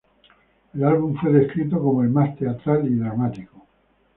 El álbum fue descrito como el "más teatral y dramático".